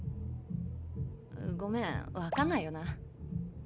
ごめん分かんないよな。